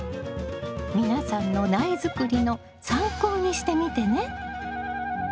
皆さんの苗作りの参考にしてみてね。